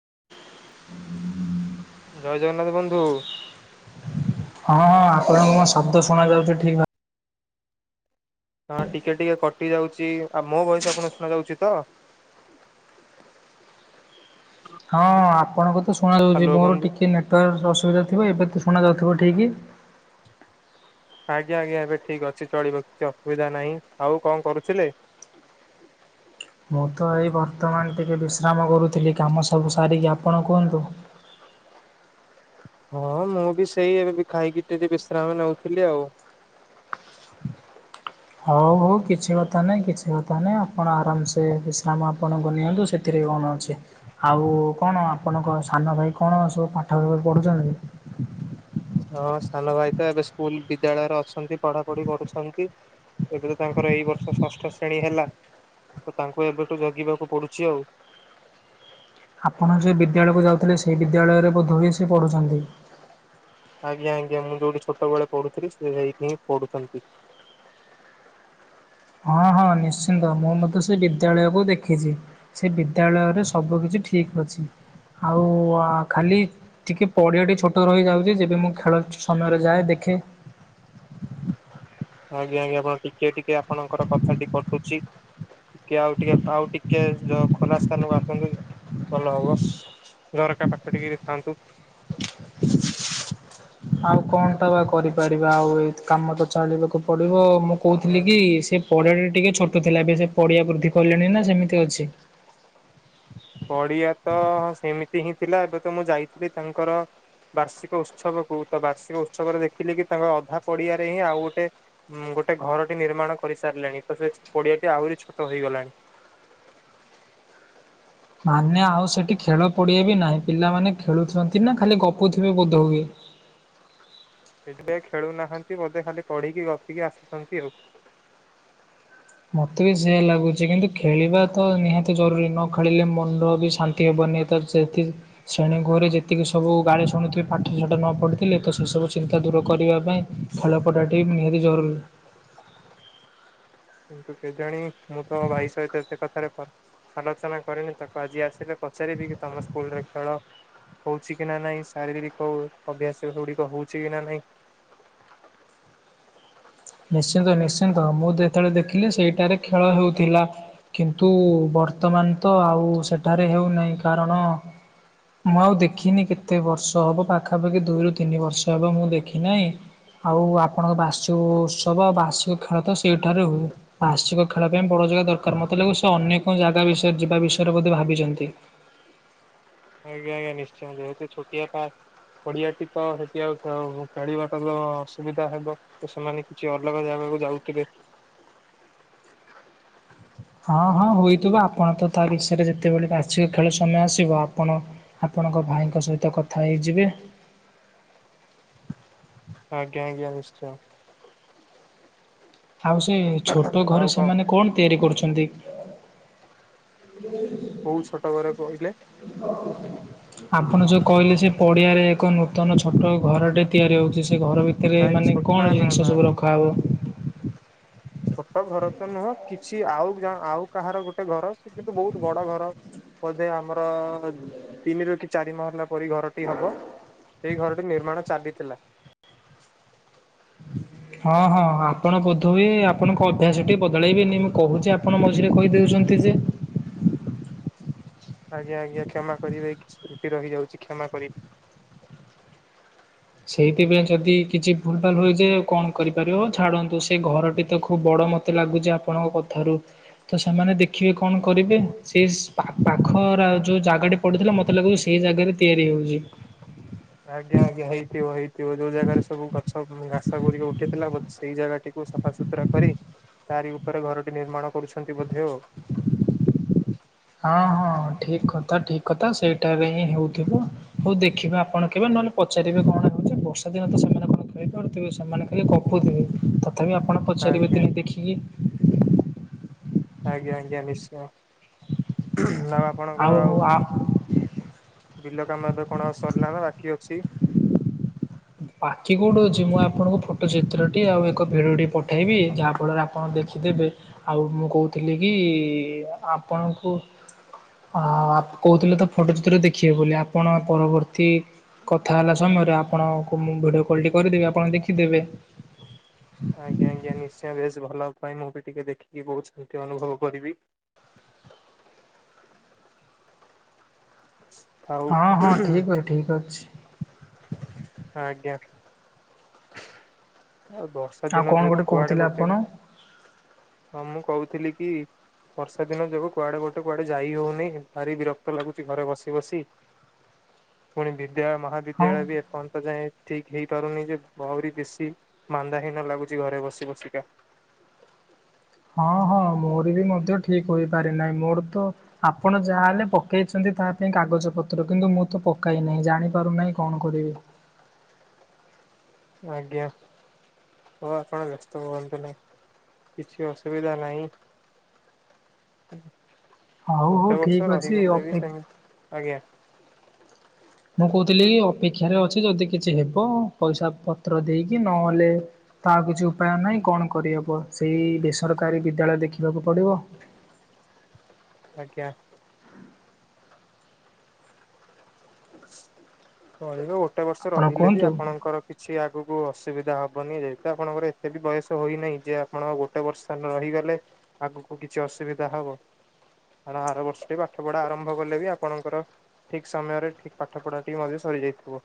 [inaudible] ଜୟ ଜଗନ୍ନାଥ ବନ୍ଧୁ। ହଁ ହଁ ଆପଣଙ୍କୁ ମ ଶବ୍ଦ ଶୁଣା ଯାଉଛି ଠିକ ଭାବ ହଁ ଟିକେ ଟିକେ କଟି ଯାଉଛି ଆଉ ମୋ ଭଏସ ଆପଣଂକୁ ଶୁଣା ଯାଉଛି ତ? [inaudible] ହଁ ଆପଣଙ୍କ ତ ଶୁଣାାଯାଉଛି ହ୍ୟାଲୋ ମୋର ବନ୍ଧୁ ଟିକିଏ ନେଟୱାର୍କ ଅସୁବିଧା ଥିବ ଏବେ ତ ଶୁଣା ଯାଉଥିବ ଠିକ୍। ଆଜ୍ଞା ଆଜ୍ଞା ଏବେ ଠିକ ଅଛି ଚଳିବ କିଛି ଅସୁବିଧା ନାହିଁ ଆଉ କଣ କରୁଥିଲେ? [inaudible] ମୁଁ ତ ଏଇ ବର୍ତ୍ତମାନ ଟିକେ ବିଶ୍ରାମ କରୁଥିଲି କାମ ସବୁ ସାରିକି ଆପଣ କୁହନ୍ତୁ। [inaudible] ହଁ ମୁଁ ବି ସେଇ ଏବେ ବି ଖାଇକି ଟିକେ ବିଶ୍ରାମ ନଉଥିଲି ଆଉ। [inaudible] ହଉ ହଉ କିଛି କଥା ନାହିଁ କିଛି କଥା ନାହିଁ ଆପଣ ଆରାମସେ ବିଶ୍ରାମ ଆପଣଙ୍କୁ ନିଅନ୍ତୁ ସେଥିରେ କଣ ଅଛି ଆଉ କଣ ଆପଣଙ୍କ ସାନ ଭାଇ କଣ ସବୁ ପାଠ ପଢୁଛନ୍ତି? ହଁ ସାନ ଭାଇ ତ ଏବେ ସ୍କୁଲ ବିଦ୍ୟାଳୟରେ ଅଛନ୍ତି ପଢାପଢି କରୁଛନ୍ତି। ଏବେ ତ ତାଙ୍କର ଏଇ ବର୍ଷ ଷଷ୍ଠ ଶ୍ରେଣୀ ହେଲା ତ ତାଙ୍କୁ ଏବେଠୁ ଜଗିବାକୁ ପଡୁଛି ଆଉ ଆପଣ ସେ ବିଦ୍ୟାଳୟକୁ ଯାଉଥିଲେ ସେଇ ବିଦ୍ୟାଳୟରେ ବୋଧ ହୋଇ ସେ ପଢୁଛନ୍ତି ଆଜ୍ଞା ଆଜ୍ଞା ମୁଁ ଯୋଉଠି ଛୋଟ ବଳେ ପଢୁଥିଲି ସେ ସେଇଠି ହିଁ ପଢୁଛନ୍ତି [inaudible] ହଁ ହଁ ନିଶ୍ଚିନ୍ତ ମୁଁ ମଧ୍ୟ ସେ ବିଦ୍ୟାଳୟକୁ ଦେଖିଛି ସେ ବିଦ୍ୟାଳୟରେ ସବୁ କିିଛି ଠିକ୍ ଅଛି ଆଉ ଖାଲି ଟିକେ ପଡ଼ିଆଟି ଛୋଟ ରହିଯାଉଛି ଯେବେ ମୁଁ ଖେଳ ସମୟରେ ଯାଏ ଦେଖେ [inaudible] ଆଜ୍ଞା ଆଜ୍ଞା ଆପ ଟିକେ ଟିକେ ଆପଣଙ୍କର କଥାଟି କଟୁଛି ଟିକେ ଆଉ ଟିକେ ଆଉ ଟିକେ ଯ ଖୋଲା ସ୍ଥାନକୁ ଆସନ୍ତୁ ଭଲ ହବ ଝରକା ପାଖ ଟିକ ଥାଆନ୍ତୁ ଆଉ କଣ ଟା ବା କରିପାରିବା ଆଉ ଏଇ କାମ ତ ଚାଲିବାକୁ ପଡିବ କହୁଥିଲି କି ସେ ପଡ଼ିଆ ଟିକେ ଛୋଟ ଥିଲା ଏବେ ସେ ପଡିଆ ବୃଦ୍ଧି କଲେଣି ନା ସେମିତି ଅଛି ପଡିଆ ତ ସେମିତି ହିଁ ଥିଲା ଏବେ ତ ମୁଁ ଯାଇଥିଲି ତାଙ୍କର ବାର୍ଷିକ ଉତ୍ସବକୁ ତ ବାର୍ଷିକ ଉତ୍ସବରେ ଦେଖିଲି କି ତାଙ୍କ ଅଧା ପଡିଆରେ ହିଁ ଆଉ ଗୋଟେ ଉଁ ଗୋଟେ ଘରଟି ନିର୍ମାଣ କରିସାରିଲେଣି ତ ସେ ପଡ଼ିଆଟି ଆହୁରି ଛୋଟ ହେଇଗଲାଣି [inaudible] ମାନେ ଆଉ ସେଠି ଖେଳ ପଡିଆ ବି ନାହିଁ ପିଲାମାନେ ଖେଳୁଛନ୍ତି ନା ଖାଲି ଗପୁଥିବେ ବୋଧ ହଏ [inaudible] ଖେଳୁନାହାନ୍ତି ବୋଧେ ଖାଲି ପଢିକି ଗପିକି ଆସୁଛନ୍ତି ଆଉ ମତେ ବି ସେୟଆ ଲାଗୁଛି କିନ୍ତୁ ଖେଳିବା ତ ନିହାତି ଜରୁରୀ ନ ଖେଳିଲେ ମନ ବି ଶାନ୍ତି ହେବ ନିହାତି ସେଠି ଶ୍ରେଣୀ ଗୃହରେ ଯେତିକି ସବୁ ଗାଳି ଶୁଣୁଥିବେ ପାଠ ଶାଠ ନ ପଢ଼ୁଥିଲେ ତ ସେସବୁ ଚିନ୍ତା ଦୂର କରିବା ପାଇଁ ଖେଳପଡ଼ିଆ ଟି ନିହାତି ଜରୁରୀ କିନ୍ତୁ କେଜାଣି ମୁଁ ତ ଭାଇ ସହିତ ଏତେ କଥାରେ ଫ ଆଲୋଚନା କରିନି ତାକୁ ଆଜି ଆସିଲେ ପଚାରିବି କି ତମ ସ୍କୁଲରେ ଖେଳ ହଉଛି କି ନା ନାଇଁ ଶାରୀରିକ ଅଭ୍ୟାସ ଗୁଡିକ ହଉଛି କି ନା ନହିଁ [inaudible] ନିଶ୍ଚିନ୍ତ ନିଶ୍ଚିନ୍ତ ମୁଁ ଯେତେବେଳେ ଦେଖିଲି ସେଇଟାରେ ଖେଳ ହେଉଥିଲା କିନ୍ତୁ ବର୍ତ୍ତମାନ ତ ଆଉ ସେଠାରେ ହେଉନାହିଁ କାରଣ ମୁଁ ଆଉ ଦେଖିନି କେତେ ବର୍ଷ ହବ ପାଖାପାଖି ଦୁଇରୁ ତିନି ବର୍ଷ ହବ ମୁଁ ଦେଖି ନାହିଁ ଆଉ ଆପଣଙ୍କ ବାସିଛୁ ଉତ୍ସବ ଆଉ ବାର୍ଷିକ ଖେଳ ତ ସେଇଠାରେ ହୁଏ ବାର୍ଷିକ ଖେଳ ପାଇଁ ବଡ ଜାଗା ଦରକାର ମତେ ଲାଗେ ସେ ଅନ୍ୟ କଣ ଜାଗା। ବିଷୟରେ ଯିବା ବିଷୟରେ ବୋଧେ ଭାବିଛନ୍ତି। ଆଜ୍ଞା ଆଜ୍ଞା ନିଶ୍ଚୟ ଯ ଛୋଟିଆ ପା। ପଡିଆଟି ତ ସେଠି ଆଉ ଖେଳିବାଟ ତ ଅସୁବିଧା ହେବ ତ ସେମାନେ କିଛି ଅଲଗା ଜାଗା। ଯାଉଥିଲେ। ହଁ ହଁ ହୋଇଥିବ ଆପଣ ତ ତା ବିଷରେ ଯେତେବେଳେ ବାର୍ଷିକ ଖେଳ ସମୟ ଆସିବ ଆପଣ ଆପ। ଆପଣଙ୍କ ଭାଇଙ୍କ ସହିତ କଥା ହେଇଯିବେ। ଆଜ୍ଞା ଆଜ୍ଞା ନିଶ୍ଚୟ। ଆଉ ସେ ଛୋଟ ଘରେ ସେମାନେ କଣ ତିଆରି କରୁଛନ୍ତି। ହ, କଟ ଘର କହିଲେ। ଆପଣ ଯେଉଁ କହିଲେ ସେ ପଡ଼ିଆରେ ଏକ ନୂତନ ଛୋଟ ଘରଟେ ତିଆରି ହେଉଛି, ସେ ଘର ଭିତରେ ନାଇଁ ମାନେ ଛୋଟ ନା କଣ ନା ଜିନିଷ ନା ସବୁ ରଖାହବ। ଛୋଟ ଘର ତ ନୁହଁ କିଛି ଆଉ ଆଉ କାହାର ଗୋଟେ ଘର ସେ କିନ୍ତୁ ବହୁତ ବଡ ଘର। ବୋଧେ ଆମର ତିନିରୁ। ଚାରି ମହ ହେଲା ପରି ଘରଟି ହବ ସେଇ ଘରଟି ନିର୍ମାଣ ଚାଲିଥିଲା। [unintelligible] ହଁ ହଁ ଆପଣ ବୋଧୀ ଆପଣ କହୁ। ଅଭ୍ୟାସ ଟିକେ ବଦଳାଇବେନି ମୁଁ କୋହୁଚି ଆପଣ ମଝିରେ କହି ଦେଉଚନ୍ତି ଯେ। ଆଜ୍ଞା ଆଜ୍ଞା କ୍ଷମା କରିବେ କିଛି ତ୍ରୁଟି ରହିଯାଉଚି କ୍ଷମା କରି ସେଇଥିପାଇଁ ଯଦି କିଛି ଭୁଲ ଭାଲ ହୁଏଯେ କଣ କରିପାରିବ ‌ଓ ଛାଡନ୍ତୁ ସେ ଘରଟି ତ ଖୁବ ବଡ ମତେ ଲାଗୁଚି ଆପଣଙ୍କ କଥାରୁ ତ ସେମାନେ ଦେଖିବେ କଣ କରିବେ ସେ ପାଖରା ଆଉ ଯୋଉ ଜାଗା ଟି ପଡୁଥିଲା ମତେ ଲାଗୁ ସେଇ ଜାଗ ରେ ତିଆରି ହୋ ଆଜ୍ଞା ଆଜ୍ଞା ହେଇ ଥିବ ହେଇଥିବ ଯୋଉ ଜାଗାରେ ସବୁ ଗଛ ଘାସ ଗୁଡ଼ିକ ଉଠିଥିଲା ବୋ ସେଇ ଜାଗାଟିକୁ ସଫାସୁତୁରା କରି। ତାରି ଉପରେ ଘରଟି ନିର୍ମାଣ କରୁଚନ୍ତି ବୋଧେ ଆଉ। ହଁ ହଁ ଠିକ୍ କଥା ଠିକ୍ କଥା ସେଇଟାରେ ହିଁ ହେଉଥିବ ହୋଉ ଦେଖିବେ ଆପଣ କେବେ ନହେଲେ ପଚାରିବେ କଣ ହୋଉଚି ବର୍ଷା ଦିନ ତ ସେମାନେ କଣ ଖାଇପାରୁଥିବେ ସେମାନେ ଖାଲି ଗପୁଥିବେ। ତଥାପି ଆପଣ ପଚାରିବେ ଆଜ୍ଞା ଦିନେ ଦେଖିକି। ଆଜ୍ଞା ଆଜ୍ଞା ନିଶ୍ଚୟ ଆଉ ଆପଣଙ୍କର ଆଉ ବିଲ କାମ ଏବେ କଣ ସରିଲା ନା ବାକି ଅଛି। ବାକି କୋଉଠି ଅଛି। ମୁଁ ଆପଣଙ୍କୁ ଫଟୋ ଚିତ୍ରଟି ଆଉ ଏକ ଭିଡିଓଟି ପଠେଇବି ଯାହା ଫଳରେ ଆପଣ ଦେଖି ଦେବେ ଆଉ ମୁଁ କହୁଥିଲି କି ଆପଣଙ୍କୁ ଆ କୋହୁଥିଲେ ତ ଫଟୋ ଚିତ୍ର ଦେଖିବେ ବୋଲି ଆପଣ ପରବର୍ତ୍ତୀ କଥା ହେଲା ସମୟରେ ଆପଣଙ୍କୁ ମୁଁ ଭିଡ଼ିଓ କଲ୍ଟି କରିଦେବି ଆପଣ ଦେଖିଦେବେ। ଆଜ୍ଞା ଆଜ୍ଞା ନିଶ୍ଚୟ ଭେ ଭଲ ପାଇଁ ମୁଁ ବି ଟିକେ ଦେଖିକି ବୋହୁତ ଶାନ୍ତି ଅନୁଭବ କରିବି। ଆଉ ହଁ ହଁ ଠିକ ଅଛି ଠିକ ଅଛି। ଆଜ୍ଞା ଆଉ ବର୍ଷା ଆଉ ଦିନ କଣ ଯୋଗୁ ଗୋଟେ କୁଆଡେ କହୁଥିଲେ ଗୋଟେ ଆପଣ ହଁ ମୁଁ କହୁଥିଲି କି ବର୍ଷା ଦିନ ଯୋଗୁ କୁଆଡେ ଗୋଟେ କୁଆଡେ ଯାଇ ହୋଉନି ଭାରି ବିରକ୍ତ ଲାଗୁଚି ଘରେ ବସି ବସି। ପୁଣି ବିଦ୍ୟା ହଁ। ମହାବିଦ୍ୟାଳୟ ବି ଏପର୍ଯ୍ୟନ୍ତ ଯାଏଁ ଠିକ ହେଇପାରୁନି ଯେ ଭ‌ଉଁରି ବେଶୀ ମାନ୍ଦାହୀନ ଲାଗୁଛି ଘରେ ବସି ବସିକା। ହଁ ହଁ ମୋର ବି ମଧ୍ୟ ଠିକ ହୋଇପାରି ନାହିଁ ମୋର ତ ଆପଣ ଯାହାହଲେ ପକେଇଚନ୍ତି ତା ପାଇଁ କାଗଜ ପତ୍ର କିନ୍ତୁ ମୁଁ ତ ପକାଇନାହିଁ ଜାଣିପାରୁନାହିଁ କଣ କରିବି। ଆଜ୍ଞା। ହୋଉ ଆପଣ ବ୍ୟସ୍ତ ହୁଅନ୍ତୁ ନାହିଁ। କିଛି ଅସୁବିଧା ନାହିଁ। ହଉ ହଉ ଗୋଟେ ଠିକ ବର୍ଷ ଅଛି ରହିଗଲେ ବି ଅପେ ସେମିତି ଆଜ୍ଞା। ମୁଁ କୋହୁଥିଲି ଅପେକ୍ଷାରେ ଅଛି ଯଦି କିଛି ହେବ ପଇସା ପତ୍ର ଦେଇକି ନହେଲେ ଆଉ କିଛି ଉପାୟ ନାହିଁ କଣ କରିହେବ ସେଇ ବେସରକାରୀ ବିଦ୍ୟାଳୟ ଦେଖିବାକୁ ପଡ଼ିବ। ଆଜ୍ଞା। ରହିବ ଗୋଟେ ବର୍ଷ ଆପଣ ରହିଲେ ବି କୁହନ୍ତୁ। ଆପଣଙ୍କର କିଛି ଆଗକୁ ଅସୁବିଧା ହବନି ଯେହେତୁ ଆପଣଙ୍କର ଏତେ ବି ବୟସ ହୋଇନାହିଁ ଯେ ଆପଣ ଗୋଟେ ବର୍ଷ ରହିଗଲେ ଆଗକୁ କିଛି ଅସୁବିଧା ହବ। ଆର ଆର ବର୍ଷଠୁ ବି ପାଠ ପଢା ଆରମ୍ଭ କଲେ ବି ଆପଣଙ୍କର ଠିକ୍ ସମୟରେ ଠିକ୍ ପାଠ ପଢା ଟିକେ ମଧ୍ୟ ସରି ଯାଇଥିବ।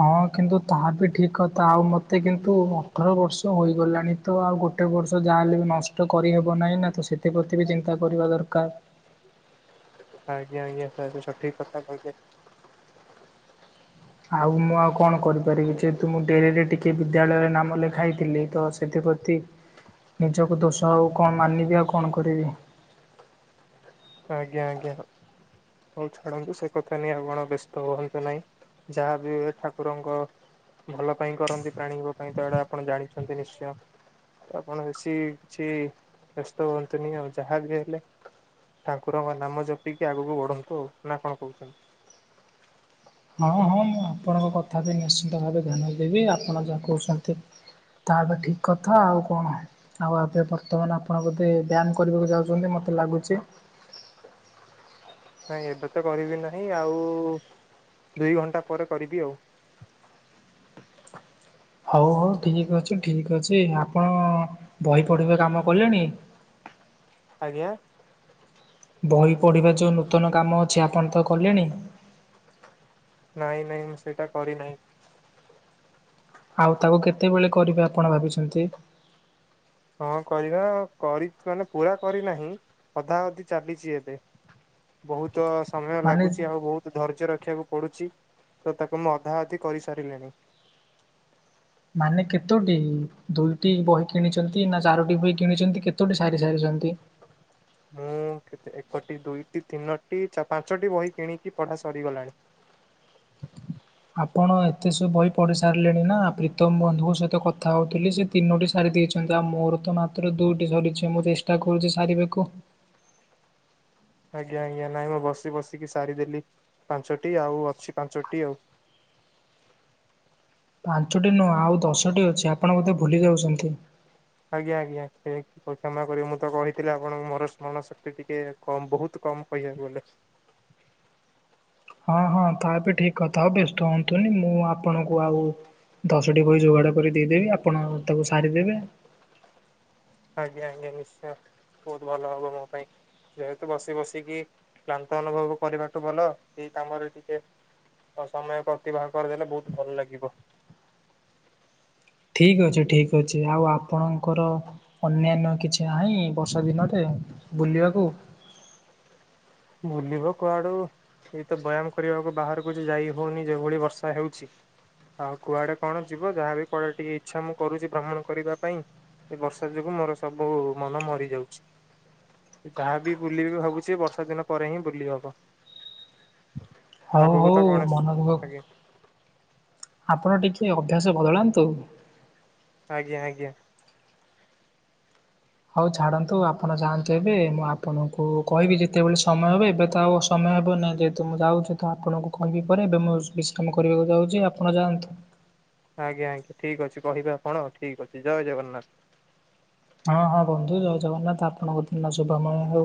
ହଁ କିନ୍ତୁ ତାହା ବି ଠିକ କଥା ଆଉ ମତେ କିନ୍ତୁ ଅଠର ବର୍ଷ ହୋଗଲାଣିତ ଆଉ ଗୋ ଗୋଟେ ବର୍ଷ ଯାହା ହେଲେ ବି ନଷ୍ଟ କରିହବ ନାହିଁ ନା ତ ସେଥି ପ୍ରତି ବି ଚିନ୍ତା କରିବା ଦରକାର। ତାହା ବି ସଠିକ୍ କଥା କହିଲେ। ଆଉ ମୁଁ ଆଉ କଣ କରିପାରିବି ଯେହେତୁ ମୁଁ ଡେରିରେ ଟିକେ ବିଦ୍ୟାଳୟରେ ନାମ ଲେଖାଇଥିଲି ତ ସେ ଛି ନିଜକୁ ଦୋଷ ହେଉ କଣ ମାନିବି ଆଉ କଣ କରିବି। ଆଜ୍ଞା ଆଜ୍ଞା। ହୋଉ ଛାଡନ୍ତୁ ସେ କଥା ନେଇ ଆପଣ ବ୍ୟସ୍ତ ହୁଅନ୍ତୁ ନାଇଁ। ଯାହା ବି ହୁଏ ଠାକୁରଙ୍କ ଭଲ ପାଇଁ କରନ୍ତି ପ୍ରାଣୀଙ୍କ ପାଇଁ ତ ଏଇଟା ଆପଣ ଜାଣିଚନ୍ତି ନିଶ୍ଚୟ। ଆପଣ ବେଶୀ କିଛି ବ୍ୟସ୍ତ ହୁଅନ୍ତୁନି ଆଉ ଯାହା ବି ହେଲେ ଠାକୁରଙ୍କ ନାମ ଜପିକି ଆଗକୁ ବଢନ୍ତୁ ଆଉ ନା କଣ କହୁଚନ୍ତି? ହଁ ହଁ ମୁଁ ଆପଣଙ୍କ କଥା ବି ନିଶ୍ଚିନ୍ତ ଭାବେ ଧ୍ୟାନ ଦେବି ଆପଣ ଯାହା କହୁଚନ୍ତି। ତା ଏବେ ଠିକ୍ କଥା ଆଉ କଣ ଆଉ ଏବେ ବର୍ତ୍ତମାନ ଆପଣ ବୋଧେ ବ୍ୟାୟାମ କରିବାକୁ ଯାଉଛନ୍ତି ମତେ ମତେ ଲାଗୁଚି। ନାଇଁ ଏବେ ତ କରିବି ନାହିଁ ଆଉ ଦୁଇ ଘଣ୍ଟା ପରେ କରିବି ଆଉ। [inaudible] ହଉ ହଉ ଠିକ୍ ଅଛି ଠିକ୍ ଅଛି ଆପଣ ବହି ପଢିବେ କାମ କଲେଣି? ଆଜ୍ଞା? ବହି ପଢିବା ଯୋଉ ନୂତନ କାମ ଅଛି ଆପଣ ତ କଲେଣି? ନାଇଁ ନାଇଁ ମୁଁ ସେଇଟା କରି ନାହିଁ। ଆଉ ତାକୁ କେତେବେଳେ କରିବେ ଆପଣ ଭାବିଚନ୍ତି? ହଁ କରିବା କରି ମାନେ ପୁରା କରିନାହିଁ ଅଧା ଅଧି ଚାଲିଚି ଏବେ। ବହୁତ ସମୟ ମାନେ ଲାଗୁଚି ଆଉ ବହୁତ ଧୈର୍ଯ୍ୟର ରଖିବାକୁ ପଡୁଛି ତ ତାକୁ ମୁଁ ଅଧା ଅଧି କରିସାରିଲିଣି। ମାନେ କେତୋଟି ଦୁଇଟି ବହି କିଣିଚନ୍ତି ନା ଚାରୋଟି ବହି କିଣିଛନ୍ତି କେତୋଟି ସାରି ସାରିଚନ୍ତି? ମୁଁ ଏକଟି ଦୁଇଟି ତିନୋଟି ପାଞ୍ଚଟି ବହି କିଣିକି ପଢା ସରିଗଲାଣି। ଆପଣ ଏତେ ସବୁ ବହି ପଢି ସାରିଲେଣି ନା ପ୍ରୀତମ୍ ବନ୍ଧୁଙ୍କ ସହିତ କଥା ହଉଥିଲି ସେ ତିନୋଟି ସାରି ଆଉ ମୋର ତ ମାତ୍ର ଦୁଇଟି ସରିଛି ମୁଁ ଚେଷ୍ଟା କରୁଚି ସାରିବାକୁ। ଆଜ୍ଞା ଆଜ୍ଞା ନାଇଁ ମୁଁ ବସି ବସିକି ସାରିଦେଲି। ପାଞ୍ଚଟି ଆଉ ଅଛି ପାଞ୍ଚଟି ଆଉ। ପାଞ୍ଚଟି ନୁହଁ ଆଉ ଦଶଟି ଅଛି ଆପଣ ବୋଧେ ଭୁଲି ଯାଉଚନ୍ତି। ଆଜ୍ଞା ଆଜ୍ଞା କ୍ଷମା କରିବେ ମୁଁ ତ କହିଥିଲି ଆପଣଙ୍କୁ ମୋର ସ୍ମରଣ ଶକ୍ତି ଟିକେ କମ୍ ବହୁତ କମ୍ ପଇସା କୁହାନ୍ତା କି? ହଁ ହଁ ତା ବି ଠିକ୍ କଥା ବେସ୍ତ ହୁଅନ୍ତିନି ମୁଁ ଆପଣଙ୍କୁ ଆଉ ଦଶଟି ବହି ଯୋଗାଡ଼ କରି ଦେଇଦେବି ଆପଣ ତାକୁ ସାରିଦେବେ। ଆଜ୍ଞା ଆଜ୍ଞା ନିଶ୍ଚୟ ବହୁତ ଭଲ ହବ ମୋ ପାଇଁ। ଯେହେତୁ ବସି ବସିକି କ୍ଲାନ୍ତ ଅନୁଭବ କରିବାଠୁ ଭଲ ଏଇ କାମରେ ଟିକେ ଆ ସମୟ ଅତିବାହ କରିଦେଲେ ବହୁତ୍ ଭଲ ଲାଗିବ। ଠିକ୍ ଅଛି ଠିକ୍ ଅଛି ଆଉ ଆପଣଙ୍କର ଅନ୍ୟାନ୍ୟ କିଛି ନାହିଁ ବର୍ଷା ଦିନରେ ବୁଲିବାକୁ ବୁଲିବ କୁଆଡୁ? ଏ ତ ବ୍ୟାୟାମ କରିବାକୁ ବାହାରକୁ ଯେ ଯାଇ ହଉନି ଯେଉଭଳି ବର୍ଷା ହେଉଛି। ଆଉ କୁଆଡେ କଣ ଯିବ ଯାହାବି କୁଆଡେ ଟିକେ ଇଚ୍ଛା ମୁଁ କରୁଚି ଭ୍ରମଣ କରିବା ପାଇଁ ଏ ବର୍ଷା ଯୋଗୁଁ ମୋର ସବୁ ମନ ମରି ଯାଉଛି। ଯାହାବି ବୁଲି ବି ଭାବୁଛି ବର୍ଷା ଦିନ ପରେ ହିଁ ବୁଲି ହବ। ହଉ ଆଗକୁ ହଉ ତ ଗଣେଶ ମନ ଦୁଃଖ ଆଜ୍ଞା ଆପଣ ଟିକେ ଅଭ୍ୟାସ ବଦଳାନ୍ତୁ। ଆଜ୍ଞା ଆଜ୍ଞା। ହଉ ଛାଡନ୍ତୁ ଆପଣ ଯାଆନ୍ତୁ ଏବେ ମୁଁ ଆପଣଙ୍କୁ କହିବି ଯେତେବେଳେ ସମୟ ହବ ଏବେ ତ ଆଉ ସମୟ ହେବ ନାଇଁ ଯେହେତୁ ମୁଁ ଯାଉଛି ତ ଆପଣଙ୍କୁ କହିବି ପରେ ଏବେ ମୁଁ ବିଶ୍ରାମ କରିବାକୁ ଯାଉଛି ଆପଣ ଯାଆନ୍ତୁ। ଆଜ୍ଞା ଆଜ୍ଞା ଠିକ ଅଛି କହିବା ଆପଣ ଠିକ ଅଛି ଜୟ ଜଗନ୍ନାଥ। ହଁ ହଁ ବନ୍ଧୁ ଜୟ ଜଗନ୍ନାଥ ଆପଣଙ୍କ ଦିନ ସୁଭମୟ ହଉ।